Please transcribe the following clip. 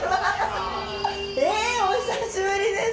えお久しぶりです。